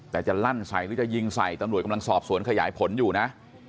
แต่จะลั่นใส่หรือจะยิงใส่ตำรวจกำลังสอบสวนขยายผลอยู่นะ